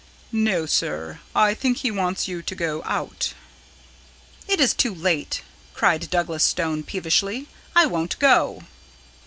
"No, sir; I think he wants you to go out." "It is too late," cried Douglas Stone peevishly. "I won't go."